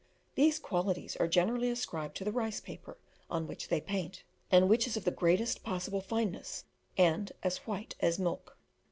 These qualities are generally ascribed to the rice paper on which they paint, and which is of the greatest possible fineness, and as white as milk.